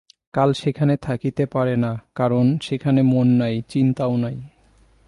কাল সেখানে থাকিতে পারে না, কারণ সেখানে মন নাই, চিন্তাও নাই।